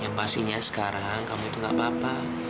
yang pastinya sekarang kamu itu gak apa apa